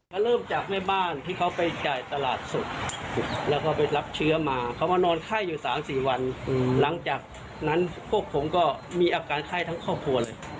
ก็เริ่มจากแม่บ้านที่เขาไปจ่ายตลาดสดแล้วก็ไปรับเชื้อมาเขามานอนไข้อยู่๓๔วันหลังจากนั้นพวกผมก็มีอาการไข้ทั้งครอบครัวเลย